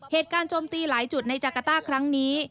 เหตุการณ์โจมตีหลายจุดในจากาต้าครั้งนี้